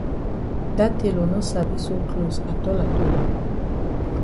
Dat tailor no sabi sew closs atol atol.